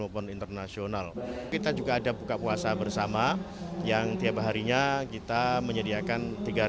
maupun internasional kita juga ada buka puasa bersama yang tiap harinya kita menyediakan